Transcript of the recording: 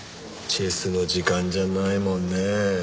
チェスの時間じゃないもんね。